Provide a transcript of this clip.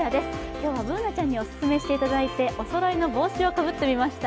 今日はＢｏｏｎａちゃんにオススメしていただいておそろいの帽子をかぶってみました。